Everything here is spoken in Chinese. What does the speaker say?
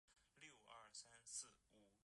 科尔贝兰。